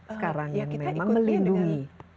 sekarang yang memang melindungi